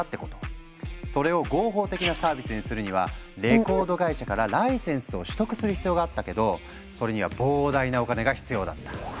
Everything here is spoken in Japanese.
それを合法的なサービスにするにはレコード会社からライセンスを取得する必要があったけどそれには膨大なお金が必要だった。